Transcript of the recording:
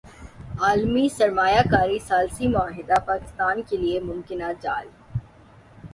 عالمی سرمایہ کاری ثالثی معاہدہ پاکستان کیلئے ممکنہ جال